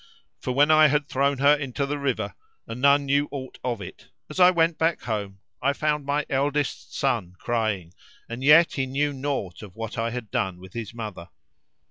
For, when I had thrown her into the river and none knew aught of it, as I went back home I found my eldest son crying and yet he knew naught of what I had done with his mother.